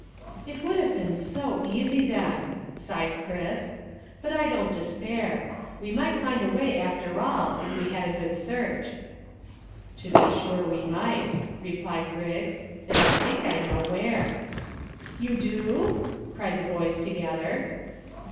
"It would have been so easy then," sighed Chris; "but I don't despair. We might find a way, after all, if we had a good search." "To be sure we might," replied Griggs, "and I think I know where." "You do?" cried the boys together.